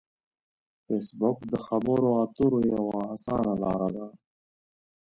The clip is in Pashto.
فېسبوک د خبرو اترو یوه اسانه لار ده